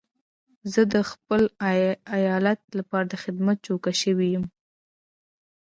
زه د خپل ايالت لپاره د خدمت جوګه شوی يم.